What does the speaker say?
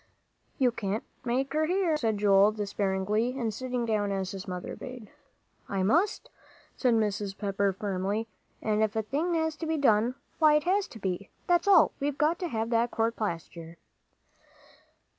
"You can't make her hear," said Joel, despairingly, and sitting down as his mother bade. "I must," said Mrs. Pepper, firmly; "and if a thing has to be done, why it has to be, that's all; we've got to have that court plaster."